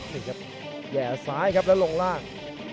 นี่ครับแห่ซ้ายครับแล้วลงล่าง